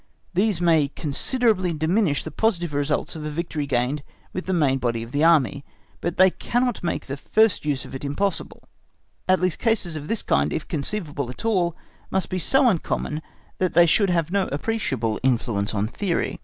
These may considerably diminish the positive results of a victory gained with the main body of the Army, but they cannot make this first use of it impossible; at least cases of that kind, if conceivable at all, must be so uncommon that they should have no appreciable influence on theory.